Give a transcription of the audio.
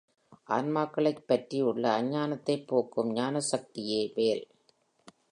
ஆன்மாக்களைப் பற்றியுள்ள அஞ்ஞானத்தைப் போக்கும் ஞானசக்தியே வேல்.